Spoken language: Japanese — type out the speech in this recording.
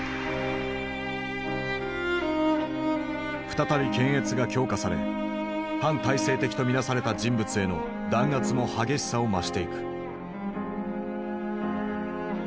再び検閲が強化され反体制的と見なされた人物への弾圧も激しさを増していく。